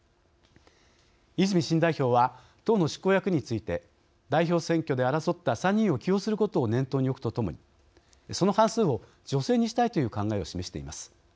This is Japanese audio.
泉新代表は党の執行役員について代表選挙で争った３人を起用することを念頭に置くとともにその半数を女性にしたいという考えを示しています。